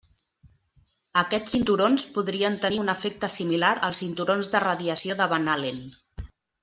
Aquests cinturons podrien tenir un efecte similar als cinturons de radiació de Van Allen.